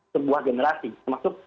sebuah generasi termasuk